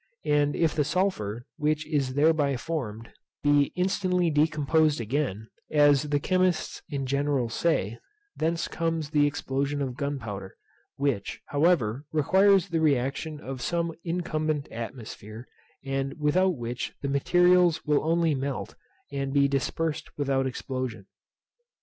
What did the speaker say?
And if the sulphur, which is thereby formed, be instantly decomposed again, as the chemists in general say, thence comes the explosion of gunpowder, which, however, requires the reaction of some incumbent atmosphere, and without which the materials will only melt, and be dispersed without explosion.